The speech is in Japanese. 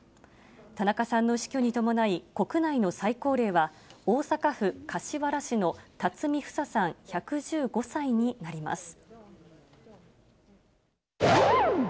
田中さんの死去に伴い、国内の最高齢は、大阪府柏原市の巽フサさん１１５歳になります。